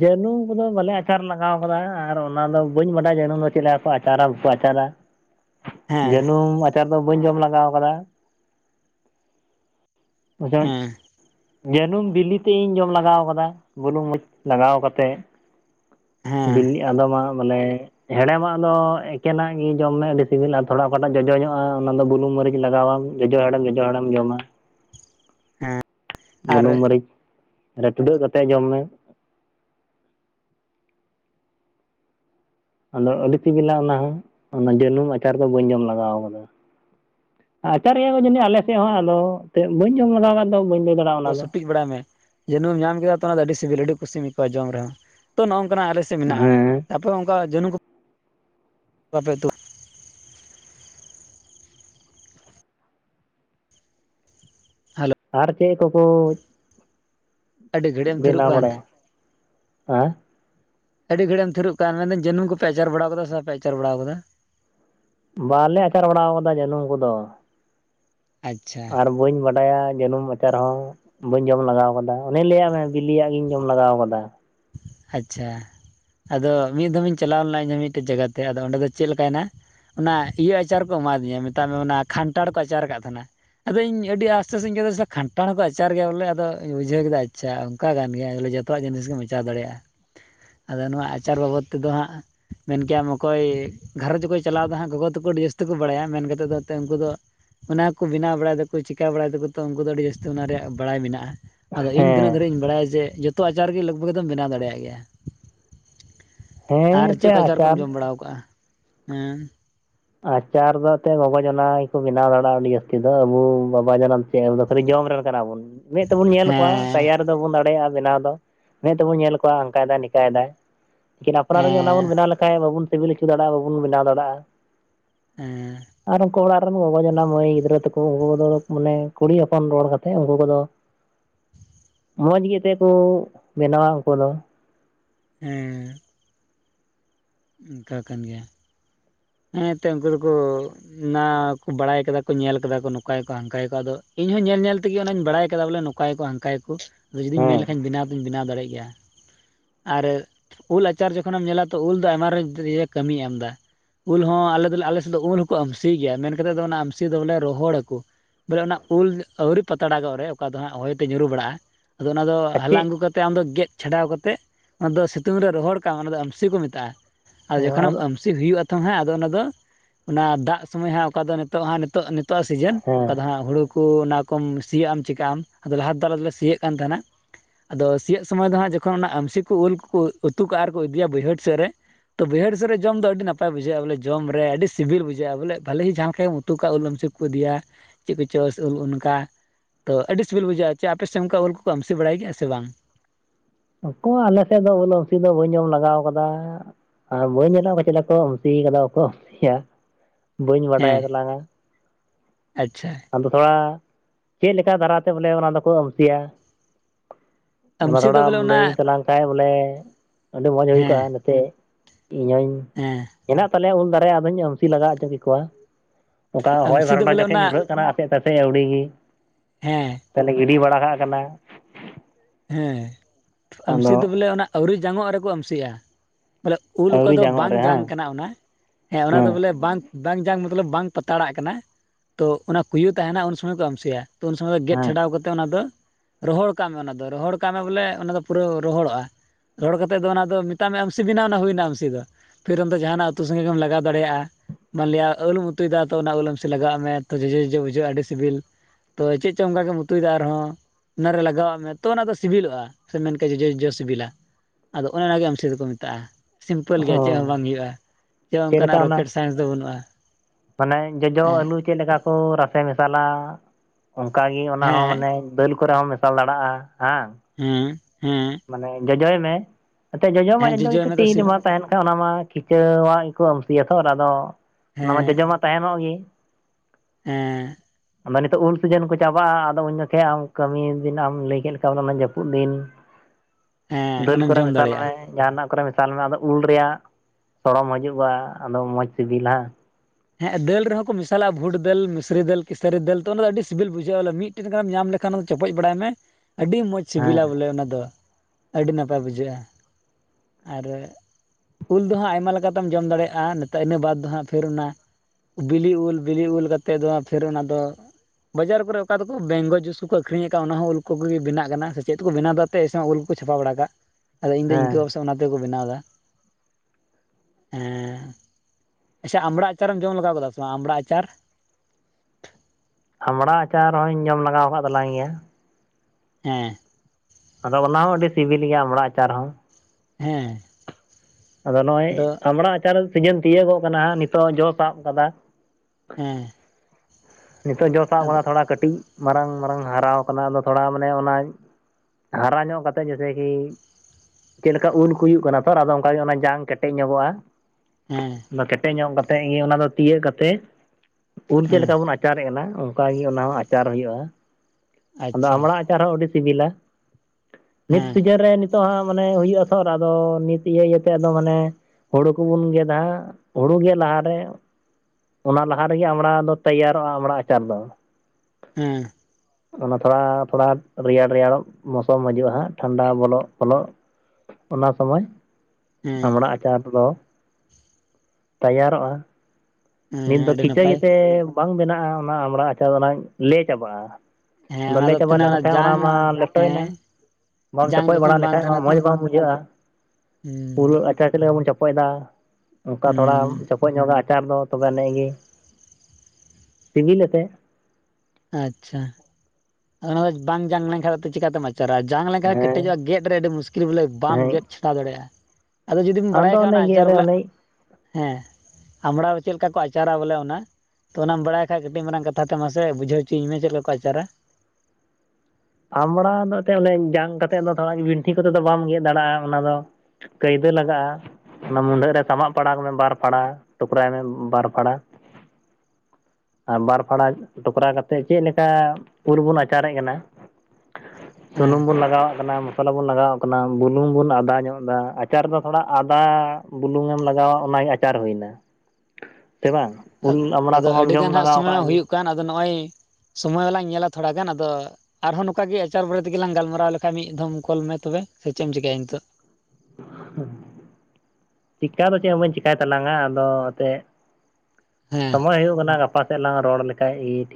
Speaker 2: ᱡᱟᱹᱱᱩᱢ ᱠᱚᱫᱚ ᱵᱟᱞᱮ ᱟᱪᱟᱨ ᱞᱟᱜᱟᱣ ᱠᱟᱫᱟ ᱟᱨ ᱚᱱᱟᱫᱚ ᱵᱟᱹᱧ ᱵᱟᱰᱟᱭᱟ ᱡᱟᱹᱱᱩᱢ ᱫᱚ ᱪᱮᱫ ᱞᱮᱠᱟ ᱠᱚ ᱟᱪᱟᱨᱟ ᱵᱟᱠᱚ ᱟᱪᱟᱨᱟ ᱾
Speaker 1: ᱦᱮᱸ
Speaker 2: ᱡᱟᱹᱱᱩᱢ ᱟᱪᱟᱨ ᱫᱚ ᱵᱟᱹᱧ ᱡᱚᱢ ᱞᱟᱜᱟᱣ ᱠᱟᱫᱟ᱾
Speaker 1: ᱦᱮᱸ
Speaker 2: [unintelligible] ᱡᱟᱹᱱᱩᱢ ᱵᱤᱞᱤ ᱛᱤᱜ ᱤᱧ ᱡᱚᱢ ᱞᱟᱜᱟᱣ ᱟᱠᱟᱫᱟ ᱵᱩᱞᱩᱝ ᱢᱟᱹᱨᱤᱪ ᱞᱟᱜᱟᱣ ᱠᱟᱛᱮ
Speaker 1: ᱦᱮᱸ
Speaker 2: ᱵᱤᱞᱤ ᱟᱫᱚᱢᱟ ᱵᱚᱞᱮ ᱦᱮᱲᱮᱢᱟᱜ ᱫᱚ ᱮᱠᱮᱱᱟᱜ ᱜᱮ ᱡᱚᱢ ᱢᱮ ᱟᱹᱰᱤ ᱥᱤᱵᱤᱞ ᱟᱨ ᱛᱷᱚᱲᱟ ᱚᱠᱟᱴᱟᱜ ᱡᱚᱡᱚ ᱧᱚᱜᱼᱟ ᱚᱱᱟ ᱫᱚ ᱵᱩᱞᱩᱝ ᱢᱟᱹᱨᱤᱪ ᱞᱟᱜᱟᱣᱟᱢ ᱡᱚᱡᱚ ᱦᱮᱲᱮᱢ ᱡᱚᱡᱚ ᱦᱮᱲᱮᱢ ᱡᱚᱢᱟ
Speaker 1: ᱦᱮᱸ ᱟᱨ
Speaker 2: ᱵᱩᱞᱩᱝ ᱢᱟᱹᱨᱤᱪ ᱨᱮ ᱴᱩᱰᱟᱹᱜ ᱠᱟᱛᱮ ᱡᱚᱢ ᱢᱮ ᱟᱫᱚ ᱟᱹᱰᱤ ᱥᱤᱵᱤᱞᱟ ᱚᱱᱟ ᱦᱚᱸ ᱚᱱᱟ ᱡᱟᱹᱱᱩᱢ ᱟᱪᱟᱨ ᱫᱚ ᱵᱟᱹᱧ ᱡᱚᱢ ᱞᱟᱜᱟᱣ ᱟᱠᱟᱫᱟ ᱾ ᱟᱪᱟᱨ ᱜᱤᱭᱟ ᱠᱚ ᱡᱟᱹᱱᱤᱡ ᱟᱞᱮ ᱥᱮᱫ ᱦᱚᱸ ᱟᱞᱚ ᱮᱱᱛᱮᱜ ᱵᱟᱹᱧ ᱡᱚᱢ ᱞᱟᱜᱟᱣ ᱠᱟᱜ ᱫᱚ ᱵᱟᱹᱧ ᱞᱟᱹᱭ ᱫᱟᱲᱮᱜ
Speaker 1: ᱟᱫᱚ ᱥᱩᱴᱩᱡ ᱵᱟᱲᱟᱭ ᱢᱮ ᱡᱟᱹᱱᱩᱢ ᱧᱟᱢ ᱠᱮᱫᱟ ᱛᱚ ᱚᱱᱟᱫᱚ ᱟᱹᱰᱤ ᱥᱤᱵᱤᱞ ᱟᱹᱰᱤ ᱠᱩᱥᱤᱢ ᱟᱹᱭᱠᱟᱹᱣ ᱡᱚᱢ ᱨᱮᱦᱚᱸ ᱛᱚ ᱱᱚᱜᱼᱚᱭ ᱱᱚᱝᱠᱟᱱᱟᱜ ᱟᱞᱮ ᱛᱮ ᱢᱮᱱᱟᱜᱼᱟ
Speaker 2: ᱦᱮᱸ
Speaker 1: ᱟᱯᱮ ᱚᱝᱠᱟ ᱡᱟᱹᱱᱩ ᱠᱚ ᱵᱟᱯᱮ ᱛᱩ ᱦᱮᱞᱳ
Speaker 2: ᱟᱨ ᱪᱮᱫ ᱠᱚᱠᱚᱡ
Speaker 1: ᱟᱹᱰᱤ ᱜᱷᱟᱹᱲᱤᱡ ᱮᱢ ᱛᱷᱤᱨᱚᱜ
Speaker 2: ᱵᱮᱱᱟᱣ
Speaker 1: ᱠᱟᱱ
Speaker 2: ᱵᱟᱲᱟᱭᱟ ᱟᱸ
Speaker 1: ᱟᱹᱰᱤ ᱜᱷᱟᱹᱲᱤᱡ ᱮᱢ ᱛᱷᱤᱨᱚᱜ ᱠᱟᱱ ᱢᱮᱱ ᱫᱟᱹᱧ ᱡᱟᱹᱱᱩᱢ ᱠᱚᱯᱮ ᱟᱪᱟᱨ ᱵᱟᱲᱟᱣ ᱠᱟᱫᱟ ᱥᱮ ᱵᱟᱯᱮ ᱟᱪᱟᱨ ᱵᱟᱲᱟᱣ ᱠᱟᱫᱟ᱾
Speaker 2: ᱵᱟᱞᱮ ᱟᱪᱟᱨ ᱵᱟᱲᱟᱣ ᱠᱟᱫᱟ ᱡᱟᱹᱱᱩᱢ ᱠᱚᱫᱚ ᱾
Speaker 1: ᱟᱪᱪᱷᱟ ᱾
Speaker 2: ᱵᱟᱹᱧ ᱵᱟᱰᱟᱭᱟ ᱡᱟᱹᱱᱩᱢ ᱟᱪᱟᱨ ᱦᱚᱸ ᱾ ᱵᱟᱹᱧ ᱡᱚᱢ ᱞᱟᱜᱟᱣ ᱠᱟᱫᱟ ᱚᱱᱮᱧ ᱞᱟᱹᱭᱟᱜ ᱢᱮ ᱵᱤᱞᱤᱭᱟᱜ ᱜᱤᱧ ᱡᱚᱢ ᱞᱟᱜᱟᱣ ᱠᱟᱫᱟ᱾
Speaker 1: ᱟᱪᱪᱷᱟ ᱟᱫᱚ ᱢᱤᱫ ᱫᱚᱢᱤᱧ ᱪᱟᱞᱟᱣ ᱞᱮᱱᱟ ᱤᱧᱦᱚᱸ ᱢᱤᱫ ᱴᱮᱡ ᱡᱟᱜᱟᱛᱮ ᱟᱫᱚ ᱚᱸᱰᱮ ᱫᱚ ᱪᱮᱫ ᱞᱮᱠᱟᱭᱮᱱᱟ ᱚᱱᱟ ᱤᱭᱟᱹ ᱟᱪᱟᱨ ᱠᱚ ᱮᱢᱟ ᱫᱤᱧᱟᱹ ᱢᱮᱛᱟᱜ ᱢᱮ ᱚᱱᱟ ᱠᱷᱟᱱᱴᱟᱲ ᱠᱚ ᱟᱪᱟᱨ ᱠᱟᱫ ᱛᱟᱦᱮᱱᱟ᱾ ᱟᱫᱚ ᱤᱧ ᱟᱹᱰᱤ ᱟᱯᱷᱥᱚᱥ ᱤᱧ ᱟᱹᱭᱠᱟᱹᱣ ᱫᱟ ᱥᱟᱞᱟ ᱠᱷᱟᱱᱴᱟᱲ ᱦᱚᱸᱠᱚ ᱟᱪᱟᱨ ᱜᱮᱭᱟ ᱵᱚᱞᱮ ᱟᱫᱚᱧ ᱵᱩᱡᱷᱟᱹᱣ ᱠᱮᱫᱟ᱾ ᱟᱪᱪᱷᱟ ᱚᱱᱠᱟ ᱠᱟᱱ ᱜᱮᱭᱟ ᱦᱮᱸ ᱵᱚᱞᱮ ᱡᱚ ᱡᱚᱛᱚᱣᱟᱜ ᱡᱤᱱᱤᱥ ᱜᱮᱢ ᱟᱪᱟᱨ ᱫᱟᱲᱮᱭᱟᱜᱼᱟ ᱟᱫᱚ ᱱᱚᱣᱟ ᱟᱪᱟᱨ ᱵᱟᱵᱚᱫᱽ ᱛᱮᱫᱚ ᱦᱟᱸᱜ ᱢᱮᱱ ᱠᱮᱭᱟᱢ ᱚᱠᱚᱭ ᱜᱷᱟᱨᱚᱸᱡᱽ ᱚᱠᱚᱭ ᱪᱟᱞᱟᱣᱫᱟ ᱦᱟᱸᱜ ᱜᱚᱜᱚ ᱛᱟᱠᱚ ᱟᱹᱰᱤ ᱡᱟᱹᱥᱛᱤ ᱠᱚ ᱵᱟᱲᱟᱭᱟ ᱢᱮᱱ ᱠᱟᱛᱮᱫ ᱫᱚ ᱮᱱᱛᱮ ᱩᱱᱠᱩ ᱫᱚ ᱚᱱᱟ ᱠᱚ ᱵᱮᱱᱟᱣ ᱵᱟᱲᱟᱭ ᱫᱟᱠᱚ ᱪᱤᱠᱟᱹ ᱵᱟᱲᱟᱭ ᱫᱟᱠᱚ ᱛᱚ ᱩᱱᱠᱩ ᱫᱚ ᱟᱹᱰᱤ ᱡᱟᱹᱥᱛᱤ ᱚᱱᱟ ᱨᱮᱭᱟᱜ ᱵᱟᱲᱟᱭ ᱢᱮᱱᱟᱜᱼᱟ᱾ ᱟᱫᱚ ᱤᱧ ᱛᱤᱱᱟᱹᱜ
Speaker 2: ᱦᱮᱸ
Speaker 1: ᱫᱷᱟᱹᱨᱤᱡ ᱤᱧ ᱵᱟᱲᱟᱭᱟ ᱡᱮ ᱡᱚᱛᱚ ᱟᱪᱟᱨ ᱜᱮ ᱞᱟᱹᱜᱽ ᱵᱷᱟᱹᱜᱽ ᱫᱚᱢ ᱵᱮᱱᱟᱣ ᱫᱟᱲᱮᱭᱟᱜ ᱜᱮᱭᱟ᱾ ᱟᱨ
Speaker 2: ᱦᱮᱸ
Speaker 1: ᱪᱮᱫ
Speaker 2: ᱮᱱᱛᱮᱫ
Speaker 1: ᱠᱚ ᱟᱪᱟᱨ ᱠᱚᱢ ᱡᱚᱢ ᱵᱟᱲᱟᱣ ᱠᱟᱜᱼᱟ? ᱦᱮᱸ
Speaker 2: ᱟᱪᱟᱨ ᱫᱚ ᱮᱱᱛᱮᱜ ᱜᱚᱜᱚ ᱡᱚᱱᱟ ᱜᱮᱠᱚ ᱵᱮᱱᱟᱣ ᱫᱟᱲᱮᱭᱟᱜᱼᱟ ᱟᱹᱰᱤ ᱡᱟᱹᱥᱛᱤ ᱫᱚ ᱟᱵᱚ ᱵᱟᱵᱟ ᱡᱚᱱᱟ ᱪᱮᱫ ᱟᱫᱚ ᱠᱷᱟᱹᱞᱤ ᱡᱚᱢ ᱨᱮᱱ ᱠᱟᱱᱟ ᱵᱚᱱ ᱢᱮᱫ ᱛᱮᱵᱚᱱ ᱧᱮᱞ ᱠᱚᱣᱟ
Speaker 1: ᱦᱮᱸ
Speaker 2: ᱛᱮᱭᱟᱨ ᱵᱟᱵᱚᱱ ᱫᱟᱲᱮᱭᱟᱜᱼᱟ ᱵᱮᱱᱟᱣ ᱫᱚ ᱢᱮᱫ ᱛᱮᱵᱚᱱ ᱧᱮᱞ ᱠᱚᱣᱟ ᱚᱝᱠᱟᱭ ᱫᱟᱭ ᱱᱤᱝᱠᱟᱭ ᱫᱟᱭ ᱾ ᱠᱤᱱ ᱟᱯᱱᱟᱨᱜᱮ ᱚᱱᱟ ᱵᱚᱱ ᱵᱮᱱᱟᱣ ᱞᱮᱠᱷᱟᱡᱽ ᱵᱟᱵᱚᱱ ᱥᱤᱵᱤᱞ ᱦᱚᱪᱚ ᱫᱟᱲᱮᱭᱟᱜᱼᱟ ᱵᱟᱵᱚᱱ ᱵᱮᱱᱟᱣ ᱫᱟᱲᱮᱭᱟᱜᱼᱟ ᱾
Speaker 1: ᱦᱮᱸ
Speaker 2: ᱟᱨ ᱩᱱᱠᱩ ᱚᱲᱟᱜ ᱨᱮᱱ ᱜᱚᱜᱚ ᱡᱚᱱᱟ ᱢᱟᱹᱭ ᱜᱤᱫᱽᱨᱟᱹ ᱛᱟᱠᱚ ᱩᱱᱠᱩ ᱠᱚᱫᱚ ᱢᱟᱱᱮ ᱠᱩᱲᱤ ᱦᱚᱯᱚᱱ ᱨᱚᱲ ᱠᱟᱛᱮᱫ ᱩᱱᱠᱩ ᱠᱚᱫᱚ ᱢᱚᱡᱽ ᱜᱮᱛᱮ ᱠᱚ ᱵᱮᱱᱟᱣᱟ ᱩᱱᱠᱩ ᱫᱚ ᱾
Speaker 1: ᱦᱮᱸ ᱾ ᱚᱱᱠᱟ ᱠᱟᱱ ᱜᱮᱭᱟ ᱾ ᱦᱮᱸ ᱛ ᱩᱱᱠᱩ ᱫᱚᱠᱚ ᱱᱟ ᱠᱚ ᱵᱟᱲᱟᱭ ᱠᱟᱫᱟ ᱠᱚ ᱧᱮᱞ ᱠᱟᱫᱟ ᱠᱚ ᱱᱚᱝᱟᱭᱟᱠᱚ ᱦᱟᱱᱠᱟᱭᱟᱠᱚ ᱟᱫᱚ ᱤᱧ ᱦᱚᱸ ᱧᱮᱞ ᱧᱮᱞ ᱛᱮᱜᱮ ᱚᱱᱟᱧ ᱵᱟᱲᱟᱭ ᱠᱟᱫᱟ ᱵᱚᱞᱮ ᱟᱝᱠᱟᱭᱟᱠᱚ ᱦᱟᱝᱠᱟᱭᱟᱠᱚ ᱟᱫᱚ ᱡᱩᱫᱤᱧ ᱢᱮᱱ
Speaker 2: ᱦᱮᱸ
Speaker 1: ᱞᱮᱠᱷᱟᱧ ᱵᱮᱱᱟᱣ ᱫᱩᱧ ᱵᱮᱱᱟᱣ ᱫᱟᱲᱮᱜ ᱜᱮᱭᱟ ᱾ ᱟᱨ ᱩᱞ ᱟᱪᱟᱨ ᱡᱚᱠᱷᱚᱱᱮᱢ ᱧᱮᱞᱟ ᱛᱚ ᱩᱞ ᱫᱚ ᱟᱭᱢᱟ [unintelligible] ᱠᱟᱹᱢᱤᱭ ᱮᱢ ᱫᱟ ᱾ ᱩᱞ ᱦᱚᱸ ᱟᱞᱮ ᱫᱚᱞᱮ ᱟᱞᱮ ᱥᱮᱫ ᱫᱚ ᱩᱞ ᱦᱚᱸᱠᱚ ᱟᱢᱥᱤ ᱜᱮᱭᱟ ᱢᱮᱱ ᱠᱟᱛᱮᱫ ᱫᱚ ᱚᱱᱟ ᱟᱢᱥᱤ ᱫᱚ ᱵᱚᱞᱮ ᱨᱚᱦᱚᱲ ᱟᱠᱚ ᱾ ᱵᱚᱞᱮ ᱚᱱᱟ ᱩᱞ ᱟᱣᱨᱤ ᱯᱟᱛᱲᱟᱜᱚᱼᱜ ᱨᱮ ᱚᱠᱟ ᱫᱚ ᱦᱟᱸᱜ ᱦᱚᱭᱛᱮ ᱧᱩᱨᱩ ᱵᱟᱲᱟᱜᱼᱟ ᱟᱫᱚ ᱚᱱᱟ ᱫᱚ
Speaker 2: ᱟᱨ
Speaker 1: ᱦᱟᱞᱟᱝ
Speaker 2: ᱪᱮᱫ
Speaker 1: ᱟᱹᱜᱩ ᱠᱟᱛᱮ ᱛᱮ ᱟᱢᱫᱚ ᱜᱮᱫ ᱪᱷᱟᱰᱟᱣ ᱠᱟᱛᱮᱫ ᱚᱱᱟ ᱫᱚ ᱥᱤᱛᱩᱝ ᱨᱮ ᱨᱚᱦᱚᱲ ᱠᱟᱜ ᱢᱮ ᱚᱱᱟ ᱫᱚ ᱟᱢᱥᱤ ᱠᱚ ᱢᱮᱛᱟᱜᱼᱟ ᱾ ᱟᱨ ᱡᱚᱠᱷᱚᱱᱮᱢ
Speaker 2: ᱟᱫᱚ
Speaker 1: ᱟᱹᱢᱥᱤ ᱦᱩᱭᱩᱜ ᱟ ᱛᱟᱦᱮᱸ ᱟᱫᱚ ᱚᱱᱟ ᱫᱚ ᱚᱱᱟ ᱫᱟᱜᱽ ᱥᱚᱢᱚᱭ ᱦᱟᱸᱜ ᱚᱠᱟ ᱫᱚ ᱱᱤᱛᱚᱜ ᱦᱟᱸᱜ ᱱᱤᱛᱚᱜ ᱱᱤᱛᱚᱜᱼᱟ ᱥᱤᱡᱮᱱ
Speaker 2: ᱦᱮᱸ
Speaker 1: ᱚᱠᱟ ᱫᱚ ᱦᱟᱸᱜ ᱦᱩᱲᱩ ᱠᱚ ᱚᱱᱟ ᱠᱚᱢ ᱥᱤᱭᱟᱜ ᱟᱢ ᱪᱮᱠᱟᱜ ᱟᱢ ᱟᱫᱚ ᱞᱟᱦᱟ ᱛᱮᱫᱚ ᱟᱞᱮ ᱫᱚ ᱞᱮ ᱥᱤᱭᱮᱜ ᱠᱟᱱ ᱛᱟᱦᱮᱸᱱᱟ ᱾ ᱟᱫᱚ ᱥᱤᱭᱟᱹᱜ ᱥᱚᱢᱚᱭ ᱫᱚ ᱦᱟᱸᱜ ᱡᱚᱠᱷᱚᱱ ᱚᱱᱟ ᱟᱢᱥᱤ ᱠᱚ ᱩᱞ ᱠᱚ ᱩᱛᱩ ᱠᱟᱜᱼᱟ ᱟᱨᱠᱚ ᱤᱫᱤᱭᱟ ᱵᱟᱹᱭᱦᱟᱹᱲ ᱥᱮᱫᱽ ᱨᱮ ᱛᱚ ᱵᱟᱹᱭᱟᱹᱲ ᱥᱮᱫᱽ ᱨᱮ ᱡᱚᱢ ᱫᱚ ᱟᱹᱰᱤ ᱱᱟᱯ ᱱᱟᱯᱟᱭ ᱵᱩᱡᱷᱟᱹᱜᱼᱟ ᱵᱚᱞᱮ ᱡᱚᱢ ᱨᱮ ᱟᱹᱰᱤ ᱥᱤᱵᱤᱞ ᱵᱩᱡᱷᱟᱹᱜᱼᱟ ᱵᱚᱞᱮ ᱵᱟᱞᱮᱦᱤ ᱡᱟᱦᱟᱸ ᱞᱮᱠᱟ ᱜᱮᱢ ᱩᱛᱩ ᱠᱟᱜ ᱩᱞ ᱟᱢᱥᱤ ᱠᱚ ᱤᱫᱤᱭᱟ ᱪᱮᱫ ᱠᱚᱪᱚᱝ ᱚᱱᱠᱟ ᱛᱚ ᱟᱹᱰᱤ ᱥᱤᱵᱤᱞ ᱵᱩᱡᱷᱟᱹᱜᱼᱟ ᱪᱮ ᱟᱯᱮᱥᱮᱫ ᱚᱱᱠᱟ ᱩᱞ ᱠᱚᱠᱚ ᱟᱢᱥᱤ ᱵᱟᱲᱟᱭ ᱜᱮᱭᱟ ᱥᱮ ᱵᱟᱝ?
Speaker 2: ᱚᱠᱚ ᱟᱞᱮ ᱥᱮᱫ ᱫᱚ ᱩᱞ ᱟᱢᱥᱤ ᱫᱚ ᱵᱟᱹᱧ ᱡᱚᱢ ᱞᱟᱜᱟᱣ ᱠᱟᱫᱟ ᱾ ᱟᱨ ᱵᱟᱹᱧ ᱧᱮᱞᱟ ᱚᱠᱟ ᱪᱮᱫ ᱞᱮᱠᱟ ᱠᱚ ᱟᱢᱥᱤ ᱟᱠᱟᱫᱟ ᱵᱟᱠᱚ ᱟᱢᱥᱤ ᱭᱟ ᱵᱟᱹᱧ ᱵᱟᱰᱟᱭ
Speaker 1: ᱦᱮᱸ
Speaker 2: ᱛᱟᱞᱟᱝᱟ ᱾
Speaker 1: ᱟᱪᱪᱷᱟ ᱾
Speaker 2: ᱟᱫᱚ ᱛᱷᱚᱲᱟ ᱪᱮᱫ ᱞᱮᱠᱟ ᱫᱷᱟᱨᱟᱛᱮ ᱵᱚᱞᱮ ᱚᱱᱟ ᱫᱚᱠᱚ ᱟᱹᱢᱥᱤᱭᱟ? ᱚᱱᱟ
Speaker 1: ᱟᱹᱢᱥᱤ ᱫᱚ
Speaker 2: ᱛᱷᱚᱲᱟᱢ
Speaker 1: ᱵᱚᱞᱮ ᱚᱱᱟ
Speaker 2: ᱞᱟᱹᱭᱟᱹᱧ ᱛᱟᱞᱟᱝ ᱠᱷᱟᱱᱡᱽ ᱵᱚᱞᱮ ᱟᱹᱰᱤ ᱢᱚᱡᱽ ᱦᱩᱭ
Speaker 1: ᱦᱮᱸ
Speaker 2: ᱠᱚᱜᱼᱟ ᱱᱮᱛᱮ ᱤᱧ ᱦᱚᱧ
Speaker 1: ᱦᱮᱸ
Speaker 2: ᱦᱮᱱᱟᱜ ᱛᱟᱞᱮ ᱩᱞ ᱫᱟᱨᱮ ᱟᱫᱚᱧ ᱟᱹᱢᱥᱤ ᱞᱟᱜᱟ ᱚᱪᱚ ᱠᱮᱠᱚᱣᱟ ᱚᱱᱠᱟ ᱦᱚᱭ
Speaker 1: ᱟᱹᱢᱥᱤ ᱫᱚ
Speaker 2: ᱵᱷᱟᱨᱰᱚ
Speaker 1: ᱵᱚᱞᱮ
Speaker 2: ᱡᱚᱠᱷᱮᱡ
Speaker 1: ᱚᱱᱟ
Speaker 2: ᱧᱩᱨᱦᱟᱹᱜ ᱠᱟᱱᱟ ᱟᱥᱮᱫ ᱛᱟᱥᱮᱜ ᱟᱹᱣᱲᱤ ᱜᱮ
Speaker 1: ᱦᱮᱸ
Speaker 2: ᱛᱟᱞᱦᱮ ᱜᱤᱰᱤ ᱵᱟᱲᱟ ᱠᱟᱜ ᱠᱟᱱᱟ
Speaker 1: ᱦᱮᱸ ᱟᱹᱢᱥᱤ ᱫᱚ
Speaker 2: ᱟᱫᱚ
Speaker 1: ᱵᱚᱞᱮ ᱚᱱᱟ ᱟᱹᱣᱨᱤ ᱡᱟᱝᱚᱜ ᱨᱮᱠᱚ ᱟᱹᱢᱥᱤᱭᱟ ᱵᱚᱞᱮ ᱩᱞ ᱚᱠᱟ
Speaker 2: ᱟᱹᱣᱨᱤ
Speaker 1: ᱫᱚ
Speaker 2: ᱡᱟᱝᱚᱜ
Speaker 1: ᱵᱟᱝ
Speaker 2: ᱨᱮ
Speaker 1: ᱡᱟᱝ
Speaker 2: ᱦᱟᱝ
Speaker 1: ᱠᱟᱱᱟ ᱚᱱᱟ ᱦᱮᱸ ᱚᱱᱟ ᱫᱚ ᱵᱚᱞᱮ ᱵᱟᱝ ᱵᱟᱝ ᱡᱟᱝ ᱢᱚᱛᱞᱚᱵᱽ ᱵᱟᱝ ᱯᱟᱛᱟᱲᱟᱜ ᱠᱟᱱᱟ ᱛᱚ ᱚᱱᱟ ᱠᱩᱭᱩ ᱛᱟᱦᱮᱸᱱᱟ ᱩᱱ ᱥᱚᱢᱚᱭ ᱠᱚ ᱟᱹᱢᱥᱤᱭᱟ ᱩᱱ ᱥᱚᱢᱚᱭ ᱜᱮᱫ
Speaker 2: ᱦᱮᱸ
Speaker 1: ᱪᱷᱟᱰᱟᱣ ᱠᱟᱛᱮ ᱚᱱᱟ ᱫᱚ ᱨᱚᱦᱚᱲ ᱠᱟᱜ ᱢᱮ ᱚᱱᱟ ᱫᱚ ᱨᱚᱦᱚᱲ ᱠᱟᱜ ᱢᱮ ᱵᱚᱞᱮ ᱚᱱᱟᱫᱚ ᱯᱩᱨᱟᱹ ᱨᱚᱦᱚᱲᱚᱜᱼᱟ ᱨᱚᱲ ᱠᱟᱛᱮᱫ ᱫᱚ ᱚᱱᱟ ᱫᱚ ᱢᱮᱛᱟᱜ ᱢᱮ ᱟᱹᱢᱥᱤ ᱵᱮᱱᱟᱣ ᱱᱟ ᱦᱩᱭᱱᱟ ᱟᱹᱢᱥᱤ ᱫᱚ ᱯᱷᱤᱨ ᱟᱢᱫᱚ ᱡᱟᱦᱟᱸᱱᱟᱜ ᱩᱛᱩ ᱥᱚᱸᱜᱮ ᱜᱮᱢ ᱞᱟᱜᱟᱣ ᱫᱟᱲᱮᱭᱟᱜᱼᱟ᱾ ᱢᱟᱱᱞᱮᱭᱟ ᱟᱹᱞᱟᱹᱢ ᱩᱛᱩᱭᱫᱟ ᱛᱚ ᱚᱱᱟ ᱩᱞ ᱟᱹᱢᱥᱤ ᱞᱟᱜᱟᱣᱟᱜ ᱢᱮ ᱛᱚ ᱡᱚᱡᱚ ᱡᱚᱡᱚ ᱵᱩᱡᱷᱟᱹᱜᱼᱟ ᱟᱹᱰᱤ ᱥᱤᱵᱤᱞ ᱛᱚ ᱪᱮᱫ ᱪᱚᱝ ᱚᱱᱠᱟ ᱜᱮᱢ ᱩᱛᱩᱭ ᱫᱟ ᱟᱨᱦᱚᱸ ᱚᱱᱟᱨᱮ ᱞᱟᱜᱟᱣᱟᱜ ᱢᱮ ᱛᱚ ᱚᱱᱟ ᱫᱚ ᱥᱤᱵᱤᱞᱚᱜᱼᱟ ᱥᱮ ᱢᱮᱱ ᱠᱮ ᱡᱚ ᱡᱚ ᱥᱤᱵᱤᱞᱟ ᱟᱫᱚ ᱚᱱᱮ ᱚᱱᱟ ᱜᱮ ᱟᱢᱥᱤ ᱫᱚᱠᱚ ᱢᱮᱛᱟᱜᱼᱟ ᱥᱤᱢᱯᱮᱞ ᱜᱮᱭᱟ ᱪᱮᱫ ᱦᱚᱸ
Speaker 2: ᱚ
Speaker 1: ᱵᱟᱝ ᱦᱩᱭᱩᱜᱼᱟ ᱡᱮ
Speaker 2: ᱪᱮᱫ
Speaker 1: ᱚᱱᱠᱟᱱᱟᱜ
Speaker 2: ᱞᱮᱠᱟ ᱚᱱᱟ
Speaker 1: ᱨᱚᱠᱮᱴ ᱥᱟᱭᱮᱱᱥ ᱫᱚ ᱵᱟᱹᱱᱩᱜᱼᱟ᱾
Speaker 2: ᱢᱟᱱᱮ ᱡᱚᱡᱚ
Speaker 1: ᱦᱮᱸ
Speaker 2: ᱟᱹᱞᱩ ᱪᱮᱫ ᱞᱮᱠᱟ ᱠᱚ ᱨᱟᱥᱮ ᱢᱮᱥᱟᱞᱟ ᱚᱱᱠᱟ ᱜᱮ ᱚᱱᱟ ᱦᱚᱸ
Speaker 1: ᱦᱮᱸ
Speaker 2: ᱢᱟᱱᱮ ᱫᱟᱹᱞ ᱠᱚᱨᱮ ᱦᱚᱸᱢ ᱢᱮᱥᱟᱞ ᱫᱟᱲᱮᱭᱟᱜᱼᱟ ᱦᱟᱝ
Speaker 1: [unintelligible]
Speaker 2: ᱢᱟᱱᱮ ᱡᱚᱡᱚᱭ ᱢᱮ ᱮᱱᱛᱮ ᱡᱚᱡᱚ ᱢᱟ
Speaker 1: ᱦᱮᱸ
Speaker 2: ᱡᱚᱡᱚ ᱜᱮ
Speaker 1: ᱡᱚᱡᱚᱢ ᱢᱮ ᱫᱚ
Speaker 2: ᱠᱟᱹᱴᱤᱡᱽ ᱨᱮ
Speaker 1: ᱥᱤᱢ
Speaker 2: ᱵᱟᱝ ᱛᱟᱦᱮᱱ ᱠᱷᱟᱱ ᱚᱱᱟ ᱢᱟ [unintelligible] ᱜᱮᱠᱚ ᱟᱹᱢ ᱥᱤᱭᱟ ᱛᱚ ᱟᱫᱚ ᱚᱱᱟ
Speaker 1: ᱦᱮᱸ
Speaker 2: ᱢᱟ ᱡᱚᱡᱚ ᱢᱟ ᱛᱟᱦᱮ ᱱᱚᱜ ᱜᱮ
Speaker 1: ᱦᱮᱸ
Speaker 2: ᱟᱫᱚ ᱱᱤᱛᱚᱜ ᱩᱞ ᱥᱤᱡᱤᱱ ᱠᱚ ᱪᱟᱵᱟᱜᱼᱟ ᱟᱫᱚ ᱩᱱ ᱡᱚᱠᱷᱮᱡ ᱟᱢ ᱠᱟᱹᱢᱤ ᱫᱤᱱ ᱟᱢ ᱞᱟᱹᱭ ᱠᱮᱫ ᱞᱮᱠᱟ ᱡᱟᱹᱯᱩᱫ ᱫᱤᱱ
Speaker 1: ᱦᱮᱸ
Speaker 2: ᱫᱟᱹᱞ
Speaker 1: ᱚᱱᱟᱢ
Speaker 2: ᱠᱚᱨᱮ
Speaker 1: ᱡᱚᱢ
Speaker 2: ᱢᱮᱥᱟᱞ ᱢᱮ
Speaker 1: ᱫᱟᱲᱮᱭᱟᱜᱼᱟ
Speaker 2: ᱡᱟᱦᱟ ᱱᱟᱜ ᱠᱚᱨᱮ ᱢᱮᱥᱟᱞ ᱢᱮ ᱟᱫᱚ ᱩᱞ ᱨᱮᱭᱟᱜ ᱥᱚᱲᱚᱢ ᱦᱤᱡᱩᱜᱼᱟ ᱟᱫᱚ ᱢᱚᱡᱽ ᱥᱤᱵᱤᱞᱟ
Speaker 1: ᱦᱮᱸ ᱫᱟᱹᱞ ᱨᱮᱦᱚᱸ ᱢᱮᱥᱟᱞᱟᱜᱼᱟ ᱵᱷᱩᱴ ᱫᱟᱹᱞ ᱢᱟᱹᱥᱨᱤ ᱫᱟᱹᱞ ᱠᱤᱥᱟᱨᱤ ᱫᱟᱹᱞ ᱛᱚ ᱚᱱᱟ ᱫᱚ ᱟᱹᱰᱤ ᱥᱤᱵᱤᱞ ᱵᱩᱡᱷᱟᱹᱣ ᱟᱞᱮ ᱢᱤᱫ [unintelligible] ᱧᱟᱢ ᱞᱮᱠᱷᱟᱱ ᱚᱱᱟ ᱪᱚᱯᱚᱡ ᱵᱟᱲᱟᱭ ᱢᱮ ᱟᱹᱰᱤ ᱢᱚᱡᱽ ᱥᱤᱵᱤᱞᱟ
Speaker 2: ᱦᱮᱸ
Speaker 1: ᱵᱚᱞᱮ ᱚᱱᱟ ᱫᱚ ᱟᱹᱰᱤ ᱱᱟᱯᱟᱭ ᱵᱩᱡᱷᱟᱹᱜᱼᱟ ᱟᱨ ᱩᱞ ᱫᱚ ᱦᱟᱸᱜ ᱟᱭᱢᱟ ᱞᱮᱠᱟ ᱛᱮᱢ ᱡᱚᱢ ᱫᱟᱲᱮᱭᱟᱜᱼᱟ ᱱᱮᱛᱟᱨ ᱤᱱᱟᱹ ᱵᱟᱫᱽ ᱫᱚ ᱦᱟᱸᱜ ᱯᱷᱮᱨ ᱚᱱᱟ ᱵᱤᱞᱤ ᱩᱞ ᱵᱤᱞᱤ ᱩᱞ ᱠᱟᱛᱮᱫ ᱫᱚ ᱯᱷᱤᱨ ᱚᱱᱟ ᱫᱚ ᱵᱟᱡᱟᱨ ᱠᱚᱨᱮ ᱚᱠᱟ ᱫᱚᱠᱚ [unintelligible] ᱡᱩᱥ ᱠᱚᱠᱚ ᱟᱹᱠᱷᱨᱤᱧ ᱮᱜ ᱠᱟ ᱚᱱᱟ ᱦᱚᱸ ᱩᱞ [unintelligible] ᱵᱮᱱᱟᱜ ᱠᱟᱱᱟ ᱥᱮ ᱪᱮᱫ ᱛᱮᱠᱚ ᱵᱮᱱᱟᱣ ᱮᱫᱟ [unintelligible] ᱠᱚ ᱪᱷᱟᱯᱟ ᱵᱟᱲᱟ ᱠᱟᱜ ᱟᱫᱚ ᱤᱧ ᱫᱚ
Speaker 2: ᱦᱮᱸ
Speaker 1: ᱤᱱᱠᱟᱹ ᱚᱱᱟ ᱛᱮᱠᱚ ᱵᱮᱱᱟᱣ ᱫᱟ ᱟᱪᱪᱷᱟ ᱟᱢᱲᱟ ᱟᱪᱟᱨ ᱮ ᱡᱚᱢ ᱞᱮᱜᱟᱣ ᱟᱠᱟᱫᱟ ᱥᱮ ᱵᱟᱝ ᱟᱢᱲᱟ ᱟᱪᱟᱨ
Speaker 2: ᱟᱢᱲᱟ ᱟᱪᱟᱨ ᱦᱚᱸᱧ ᱡᱚᱢ ᱞᱟᱜᱟᱣ ᱟᱠᱟᱫ ᱛᱟᱞᱟᱝ ᱜᱮᱭᱟ᱾
Speaker 1: ᱦᱮᱸ
Speaker 2: ᱟᱫᱚ ᱚᱱᱟ ᱦᱚᱸ ᱟᱹᱰᱤ ᱥᱤᱵᱤᱞ ᱜᱮᱭᱟ ᱟᱢᱲᱟ ᱟᱪᱟᱨ ᱦᱚᱸ
Speaker 1: ᱦᱮᱸ
Speaker 2: ᱟᱫᱚ ᱱᱚᱜᱼᱚᱭ ᱟᱢᱲᱟ ᱟᱪᱟᱨ ᱥᱤᱡᱮᱱ ᱛᱤᱭᱳ ᱜᱚᱜ ᱠᱟᱱᱟ ᱦᱟᱸᱜ ᱱᱤᱛᱚᱜ ᱡᱚ ᱥᱟᱵ ᱠᱟᱫᱟ
Speaker 1: ᱦᱮᱸ
Speaker 2: ᱱᱤᱛᱚᱜ ᱡᱚ ᱥᱟᱵ
Speaker 1: ᱟᱫᱚ
Speaker 2: ᱠᱟᱱᱟ ᱛᱷᱚᱲᱟ ᱠᱟᱹᱴᱤᱡ ᱢᱟᱨᱟᱝ ᱢᱟᱨᱟᱝ ᱦᱟᱨᱟᱣ ᱟᱠᱟᱱᱟ ᱟᱫᱚ ᱛᱷᱚᱲᱟ ᱢᱟᱱᱮ ᱚᱱᱟ ᱦᱟᱨᱟ ᱧᱚᱜ ᱠᱟᱛᱮᱫ ᱡᱮ ᱥᱮ ᱠᱤ ᱪᱮᱫ ᱞᱮᱠᱟ ᱩᱞ ᱠᱩᱭᱩᱜ ᱠᱟᱱᱟ ᱛᱚ ᱟᱫᱚ ᱚᱱᱠᱟ ᱜᱮ ᱚᱱᱟ ᱡᱟᱝ ᱠᱮᱴᱮᱡ ᱧᱚᱜᱚᱜᱼᱟ
Speaker 1: ᱦᱮᱸ
Speaker 2: ᱠᱮᱴᱮᱡ ᱧᱚᱜ ᱠᱟᱛᱮ ᱤᱭᱟᱹ ᱚᱱᱟ ᱫᱚ ᱛᱤᱭᱳᱜ ᱠᱟᱛᱮ ᱩᱞ ᱪᱮᱫ
Speaker 1: ᱦᱮᱸ
Speaker 2: ᱞᱮᱠᱟ ᱵᱚᱱ ᱟᱪᱟᱨᱟ ᱟᱪᱟᱨ ᱮᱱᱟ ᱚᱱᱠᱟ ᱜᱮ ᱚᱱᱟ ᱦᱚᱸ ᱟᱪᱟᱨ ᱦᱩᱭᱩᱜᱼᱟ ᱟᱫᱚ
Speaker 1: ᱟᱪᱪᱷᱟ
Speaker 2: ᱟᱢᱲᱟ ᱟᱫᱚ ᱟᱢᱟ ᱦᱚᱸ ᱟᱹᱰᱤ ᱥᱤᱵᱤᱞᱟ ᱱᱤᱛ
Speaker 1: ᱦᱮᱸ
Speaker 2: ᱥᱤᱡᱮᱱ ᱨᱮ ᱱᱤᱛᱚᱜ ᱦᱟᱸᱜ ᱢᱟᱱᱮ ᱦᱩᱭᱩᱜ-ᱟ ᱛᱚ ᱟᱫᱚ ᱱᱤᱛ ᱤᱭᱟᱹ ᱤᱭᱟᱹᱛᱮ ᱟᱫᱚ ᱢᱟᱱᱮ ᱦᱳᱲᱳ ᱠᱚ ᱵᱚᱱ ᱜᱮᱫᱟ ᱦᱳᱲᱳ ᱜᱮᱫ ᱞᱟᱦᱟᱨ ᱨᱮ ᱚᱱᱟ ᱞᱟᱦᱟ ᱨᱮᱜᱮ ᱟᱢᱲᱟ ᱫᱚ ᱛᱮᱭᱟᱨᱚᱜᱼᱟ ᱟᱢᱲᱟ ᱟᱪᱟᱨ ᱫᱚ
Speaker 1: ᱦᱮᱸ
Speaker 2: ᱚᱱᱟ ᱛᱷᱚᱲᱟ ᱛᱷᱚᱲᱟ ᱨᱮᱭᱟᱲ ᱨᱮᱭᱟᱲ ᱚᱜ ᱢᱚᱥᱟᱢ ᱦᱤᱡᱩᱜᱼᱟ ᱦᱟᱸᱜ ᱴᱷᱟᱱᱰᱟ ᱵᱚᱞᱚᱜ ᱵᱚᱞᱚᱜ ᱚᱱᱟ ᱥᱳᱢᱳᱭ
Speaker 1: ᱦᱮᱸ
Speaker 2: ᱟᱢᱲᱟ ᱟᱪᱟᱨ ᱫᱚ ᱛᱮᱭᱟᱨᱚᱜᱼᱟ ᱱᱤᱛ
Speaker 1: ᱦᱮᱸ
Speaker 2: ᱫᱚ
Speaker 1: ᱟᱹᱰᱤ
Speaker 2: ᱠᱷᱤᱪᱟᱹ ᱜᱮ
Speaker 1: ᱱᱟᱯᱟᱭ
Speaker 2: ᱛᱮ ᱵᱟᱝ ᱵᱮᱱᱟᱜᱼᱟ ᱚᱱᱟ ᱟᱢᱲᱟ ᱟᱪᱟᱨ ᱫᱚ ᱚᱱᱟ ᱞᱮ ᱪᱟᱵᱟᱜᱼᱟ
Speaker 1: ᱦᱮᱸ
Speaker 2: ᱟᱫᱚ
Speaker 1: ᱚᱱᱟ
Speaker 2: ᱞᱮ
Speaker 1: ᱫᱚ
Speaker 2: ᱪᱟᱵᱟ
Speaker 1: ᱛᱤᱱᱟᱹᱜ
Speaker 2: ᱞᱮᱱ ᱠᱷᱟᱡ ᱚᱱᱟ
Speaker 1: ᱡᱟᱝ
Speaker 2: ᱢᱟ ᱞᱮᱴᱚᱭ ᱱᱟ
Speaker 1: ᱦᱮᱸ
Speaker 2: ᱵᱟᱢ
Speaker 1: ᱡᱟᱝ
Speaker 2: ᱪᱚᱯᱚᱡ
Speaker 1: ᱡᱚᱠᱷᱚᱱ
Speaker 2: ᱵᱟᱲᱟ
Speaker 1: ᱵᱟᱝ
Speaker 2: ᱞᱮᱠᱟᱱ ᱠᱷᱟᱡ
Speaker 1: ᱛᱟᱦᱮᱱᱟ
Speaker 2: ᱢᱟ
Speaker 1: ᱛᱚ
Speaker 2: ᱢᱚᱡᱽ ᱵᱟᱝ ᱵᱩᱡᱷᱟᱹᱜᱼᱟ
Speaker 1: ᱦᱩᱸ
Speaker 2: ᱩᱞ ᱟᱪᱟᱨ ᱪᱮᱫ ᱞᱮᱠᱟ ᱵᱚᱱ ᱪᱚᱯᱚᱡ ᱫᱟ ᱚᱱᱠᱟ ᱛᱷᱚᱲᱟᱢ
Speaker 1: ᱦᱩᱸ
Speaker 2: ᱪᱚᱯᱚᱡ ᱧᱚᱸᱜᱟ ᱟᱪᱟᱨ ᱫᱚ ᱛᱚᱵᱮ ᱟᱹᱱᱮᱡ ᱜᱮ ᱥᱤᱵᱤᱞ- ᱟ ᱥᱮ
Speaker 1: ᱟᱪᱪᱷᱟ ᱟᱫᱚ ᱚᱱᱟ ᱫᱚ ᱵᱟᱝ ᱡᱟᱝ ᱞᱮᱱ ᱠᱷᱟᱡ ᱫᱚ ᱪᱤᱠᱟᱹ ᱛᱮᱢ ᱡᱟᱝ ᱞᱮᱱ ᱠᱷᱟᱡ
Speaker 2: ᱦᱮᱸ
Speaker 1: ᱠᱮᱴᱮᱡᱚᱜᱼᱟ ᱜᱮᱫ ᱨᱮ ᱟᱹᱰᱤ ᱢᱩᱥᱠᱤᱞ ᱵᱚᱞᱮ ᱵᱟᱢ
Speaker 2: ᱦᱮᱸ
Speaker 1: ᱜᱮᱫ ᱪᱷᱟᱲᱟᱣ ᱫᱟᱲᱮᱭᱟᱜᱼᱟ ᱟᱫᱚ ᱡᱩᱫᱤᱢ ᱵᱟᱲᱟᱭ
Speaker 2: ᱟᱫᱚ
Speaker 1: ᱠᱷᱟᱱ
Speaker 2: ᱚᱱᱮ
Speaker 1: ᱚᱱᱟ
Speaker 2: ᱤᱭᱟᱹ
Speaker 1: ᱟᱡᱪᱟᱨ
Speaker 2: ᱨᱮ
Speaker 1: ᱵᱚᱞᱮ
Speaker 2: ᱚᱱᱮ
Speaker 1: ᱦᱮᱸ ᱟᱢᱲᱟ ᱨᱮ ᱪᱮᱫ ᱞᱮᱠᱟ ᱠᱚ ᱟᱪᱟᱨᱟ ᱵᱚᱞᱮ ᱚᱱᱟ ᱛᱚ ᱚᱱᱟᱢ ᱵᱟᱲᱟᱭ ᱠᱷᱟᱡ ᱠᱟᱹᱴᱤᱡ ᱢᱟᱨᱟᱝ ᱠᱟᱛᱷᱟ ᱛᱮ ᱢᱟᱥᱮ ᱵᱩᱡᱷᱟᱹᱣ ᱚᱪᱚᱧ ᱢᱮ ᱪᱮᱫ ᱞᱮᱠᱟ ᱠᱚ ᱟᱪᱟᱨᱟ
Speaker 2: ᱟᱢᱲᱟ ᱫᱚ ᱮᱱᱛᱮᱫ ᱚᱱᱮ ᱡᱟᱝ ᱠᱟ ᱠᱟᱛᱮᱫ ᱫᱚ ᱛᱷᱚᱲᱟ ᱵᱤᱱᱴᱷᱤ ᱠᱚᱛᱮ ᱫᱚ ᱵᱟᱢ ᱜᱮᱫ ᱫᱟᱲᱮᱭᱟᱜᱼᱟ ᱚᱱᱟ ᱫᱚ ᱠᱟᱹᱭᱫᱟᱹ ᱞᱟᱜᱟᱜ-ᱟ ᱚᱱᱟ ᱢᱩᱰᱟᱹᱫ ᱨᱮ ᱥᱟᱢᱟᱜ ᱯᱟᱲᱟᱣ ᱢᱮ ᱵᱟᱨ ᱯᱷᱟᱲᱟ ᱴᱚᱠᱨᱟᱭ ᱢᱮ ᱵᱟᱨ ᱯᱷᱟᱲᱟ ᱟᱨ ᱵᱟᱨ ᱯᱷᱟᱲᱟ ᱴᱚᱠᱨᱟ ᱠᱟᱛᱮᱫ ᱪᱮᱫ ᱞᱮᱠᱟ ᱩᱨ ᱵᱚᱱ ᱟᱪᱟᱨᱮ ᱠᱟᱱᱟ
Speaker 1: ᱦᱮᱸ
Speaker 2: ᱥᱩᱱᱩᱢ ᱵᱚᱱ ᱞᱟᱜᱟᱣᱟᱜ ᱠᱟᱱᱟ ᱢᱚᱥᱞᱟ ᱵᱚᱱ ᱞᱟᱜᱟᱣ ᱠᱟᱱᱟ ᱵᱩᱞᱩᱝ ᱵᱚᱱ ᱟᱫᱟ ᱧᱚᱜ ᱮᱫᱟ ᱟᱪᱟᱨ ᱫᱚ ᱛᱷᱚᱲᱟ ᱟᱫᱟ ᱵᱩᱞᱩᱝ ᱮᱢ ᱞᱟᱜᱟᱣᱟ ᱚᱱᱟ ᱜᱮ ᱪᱟᱨ ᱦᱩᱭᱱᱟ ᱥᱮ ᱵᱟᱝ ᱩᱞ ᱟᱢᱲᱟ
Speaker 1: ᱟᱫᱚ
Speaker 2: ᱠᱚᱦᱚᱸᱚᱢ ᱡᱚᱢ
Speaker 1: ᱟᱹᱰᱤᱜᱟᱱ ᱦᱟᱸᱜ
Speaker 2: ᱞᱟᱜᱟᱣ
Speaker 1: ᱥᱚᱢᱚᱭ ᱢᱟ
Speaker 2: ᱟᱠᱟᱫ ᱜᱮ?
Speaker 1: ᱦᱩᱭᱩᱜ ᱠᱟᱱ ᱟᱫᱚ ᱱᱚᱜ-ᱚᱭ ᱥᱚᱢᱚᱭ ᱦᱚᱞᱟᱝ ᱧᱮᱞᱟ ᱛᱷᱚᱲᱟ ᱜᱟᱱ ᱟᱫᱚ᱾ ᱟᱨᱦᱚᱸ ᱱᱚᱝᱠᱟ ᱜᱮ ᱟᱪᱟᱨ ᱵᱟᱨᱮ ᱛᱮᱜᱮ ᱞᱟᱝ ᱜᱟᱞᱢᱟᱨᱟᱣ ᱞᱮᱠᱷᱟᱱ ᱢᱤᱫ ᱫᱷᱚᱢ ᱠᱚᱞ ᱢᱮ ᱛᱚᱵᱮ ᱥᱮ ᱪᱮᱫ ᱮᱢ ᱪᱤᱠᱟᱹᱭᱟ ᱱᱤᱛᱚᱜ?
Speaker 2: ᱦᱮᱸ ᱪᱤᱠᱟ ᱫᱚ ᱪᱮᱫ ᱦᱚᱸ ᱵᱟᱹᱧ ᱪᱮᱠᱟᱭ ᱛᱟᱞᱟᱝ ᱟ ᱟᱫᱚ ᱚᱛᱮ
Speaker 1: ᱦᱮᱸ
Speaker 2: ᱥᱚᱢᱚᱭ ᱦᱩᱭᱩᱜ ᱠᱟᱱᱟ ᱜᱟᱯᱟ ᱥᱮᱫ ᱞᱟᱝ ᱨᱚᱲ ᱞᱮᱠᱷᱟᱡ ᱮ ᱴᱷᱤ